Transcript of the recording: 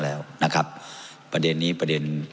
ท่านประธานครับนี่คือสิ่งที่สุดท้ายของท่านครับ